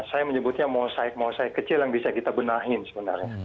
saya menyebutnya mosaik mosaik kecil yang bisa kita benahin sebenarnya